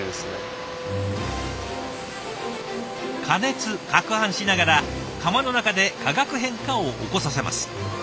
加熱かくはんしながら釜の中で化学変化を起こさせます。